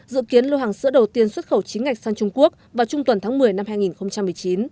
dự kiến lô hàng sữa đầu tiên xuất khẩu chính ngạch sang trung quốc vào trung tuần tháng một mươi năm hai nghìn một mươi chín